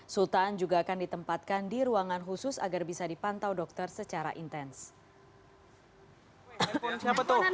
sultan juga akan ditempatkan di ruangan khusus agar bisa dipantau dokter secara intens